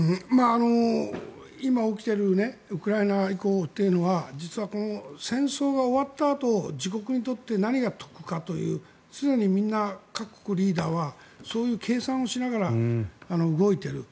今、起きているウクライナ以降というのは実は、戦争が終わったあと自国にとって何が得かという常に、みんな各国のリーダーはそういう計算をしながら動いている。